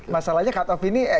masalahnya cut off ini